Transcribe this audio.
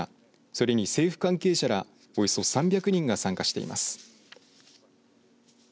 それに政府関係者らおよそ３００人が参加しています。